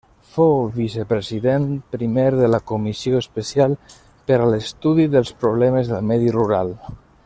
Fou vicepresident primer de la comissió especial per a l'estudi dels problemes del medi rural.